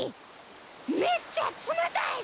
めっちゃ冷たい！